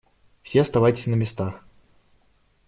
Все оставайтесь на местах.